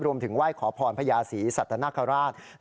รวมถึงไหว้ขอพรพญาศรีสัตนคราช